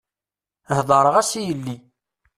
Heḍṛeɣ-as i yelli.